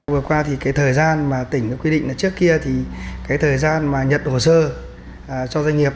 vừa qua thì cái thời gian mà tỉnh quy định là trước kia thì cái thời gian mà nhận hồ sơ cho doanh nghiệp